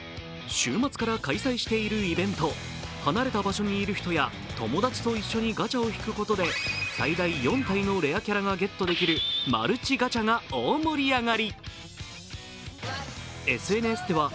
週末から開催しているイベント、離れた場所にいる人や友達と一緒にガチャを引くことで最大４体のレアキャラがゲットできるマルチガチャが大盛り上がり。